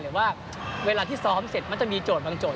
หรือว่าเวลาที่ซ้อมเสร็จมันจะมีโจทย์บางโจท